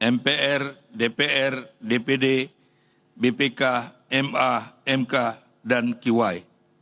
mpr dpr dpd bpk ma mk dan qi